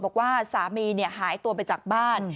บอกว่าสามีหายตัวไปจากบ้าน